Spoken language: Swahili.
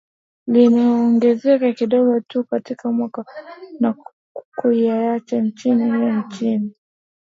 Limeongezeka kidogo tu katika mwaka huo, na kuiacha nchi hiyo chini ya mapato ya chini